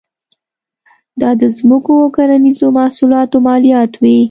دا د ځمکو او کرنیزو محصولاتو مالیات وې.